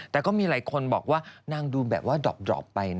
เราถูกเจอว่านางดูแบบว่าดบไปนะ